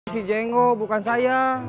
si jengko bukan saya